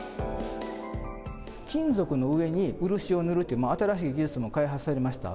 金属の上に漆を塗るという、新しい技術も開発されました。